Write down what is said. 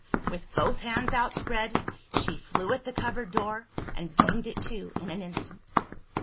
With both hands outspread, she flew at the cupboard door, and banged it to in an instant.